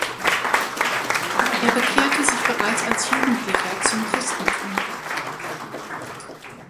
Er bekehrte sich bereits als Jugendlicher zum Christentum.